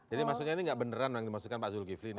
jadi maksudnya ini tidak beneran yang dimaksudkan pak zulkifli ini